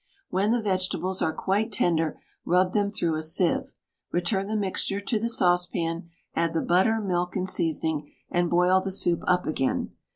When the vegetables are quite tender, rub them through a sieve. Return the mixture to the saucepan, add the butter, milk, and seasoning, and boil the soup up again.